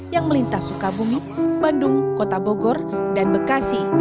yang melintas sukabumi bandung kota bogor dan bekasi